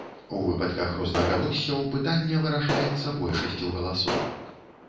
У выпадках рознагалоссяў пытанне вырашаецца большасцю галасоў.